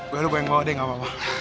gue yang bawa deh gapapa